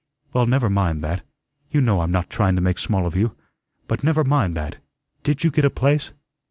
"Well, never mind that. You know I'm not trying to make small of you. But never mind that. Did you get a place?"